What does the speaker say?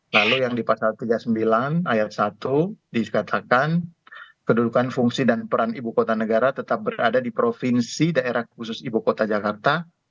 lalu yang di pasal tiga puluh sembilan ayat satu dikatakan kedudukan fungsi dan peran ibu kota negara tetap berada di provinsi daerah khusus ibu kota jakarta